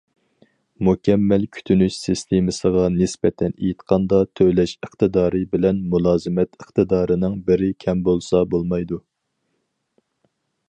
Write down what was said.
مۇكەممەل كۈتۈنۈش سىستېمىسىغا نىسبەتەن ئېيتقاندا، تۆلەش ئىقتىدارى بىلەن مۇلازىمەت ئىقتىدارىنىڭ بىرى كەم بولسا بولمايدۇ.